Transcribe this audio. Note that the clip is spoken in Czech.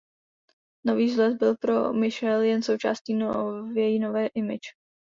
Nový vzhled byl pro Michelle jen součástí její nové image.